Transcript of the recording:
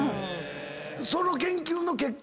その研究の結果